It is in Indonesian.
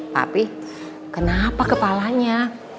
tapi kenapa kepalanya